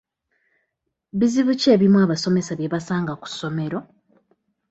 Bizibu ki ebimu abasomesa bye basanga ku ssomero?